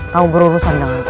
kamu berurusan dengan aku